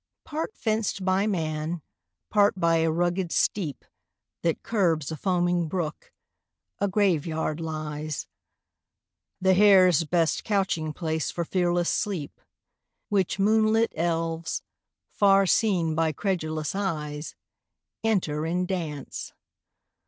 ] Part fenced by man, part by a rugged steep That curbs a foaming brook, a Grave yard lies; The hare's best couching place for fearless sleep; Which moonlit elves, far seen by credulous eyes, Enter in dance.